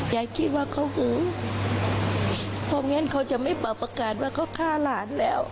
ยายคิดว่าเขาหืมผมงั้นเขาจะไม่ประกาศว่าเขาฆ่าหลานแล้ว